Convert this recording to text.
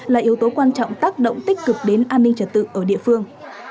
là yếu tố quan trọng tác động tích cực đến an ninh trật tự ở địa phương